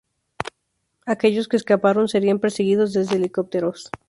Aquellos que escaparon serían perseguidos desde helicópteros.